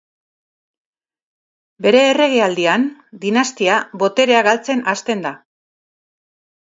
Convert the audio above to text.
Bere erregealdian, dinastia boterea galtzen hasten da.